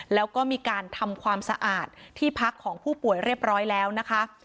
แล้วก็มีการทำความสะอาดที่พักของผู้ป่วยเรียบร้อยแล้วนะคะ